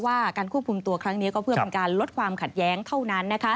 ว่าการควบคุมตัวครั้งนี้ก็เพื่อเป็นการลดความขัดแย้งเท่านั้น